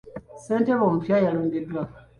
Ssentebe omupya yalondeddwa.